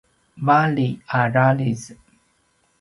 vali a raljiz